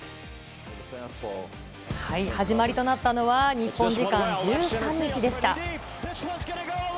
始まりとなったのは、日本時間１３日でした。